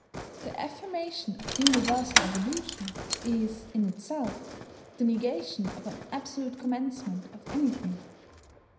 The affirmation of universal evolution is in itself the negation of an absolute commencement of anything.